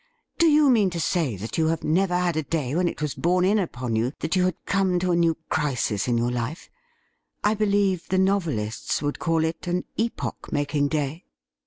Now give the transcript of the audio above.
do you mean to say that you have never had a day when it was borne in upon you that you had come to a new crisis in your life ? I believe the novelists would call it an epoch making day